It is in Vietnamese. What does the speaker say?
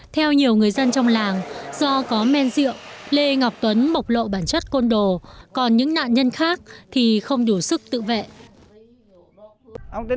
theo nhiều người dân trong làng do có men rượu lê ngọc tuấn bộc lộ bản chất côn đồ còn những nạn nhân khác thì không đủ sức tự vệ